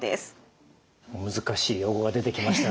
難しい用語が出てきました。